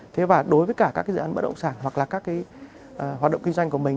thế và đối với cả các cái dự án bất động sản hoặc là các cái hoạt động kinh doanh của mình